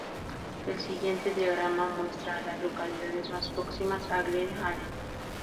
El siguiente diagrama muestra a las localidades más próximas a Glen Allen.